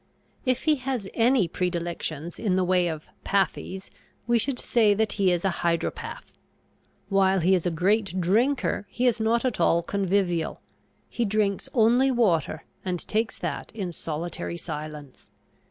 If he has any predilections in the way of "pathies" we should say that he is a hydropath. While he is a great drinker, he is not at all convivial he drinks only water, and takes that in solitary silence.